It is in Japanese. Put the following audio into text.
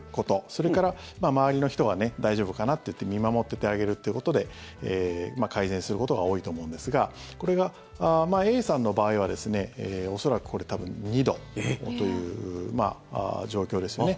それから周りの人は大丈夫かなって言って見守っててあげるっていうことで改善することが多いと思うんですがこれがＡさんの場合は恐らくこれ多分２度という状況ですよね。